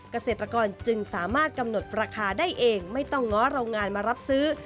เกษตรกรจึงสามารถกำหนดราคาได้เองไม่ต้องง้อโรงงานมารับซื้อ